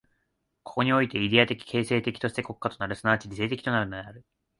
ここにおいてイデヤ的形成的として国家となる、即ち理性的となるのである。